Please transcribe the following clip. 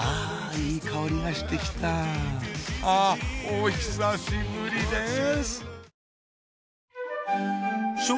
いい香りがしてきたあお久しぶりです！